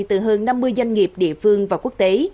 từ hơn năm mươi doanh nghiệp địa phương và quốc tế